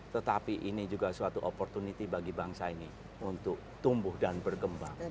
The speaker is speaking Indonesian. tetapi ini juga suatu opportunity bagi bangsa ini untuk tumbuh dan berkembang